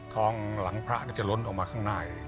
ทองหลังพระจะล้นออกมาข้างใน